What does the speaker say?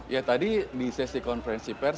ya tadi di sesi konferensi pers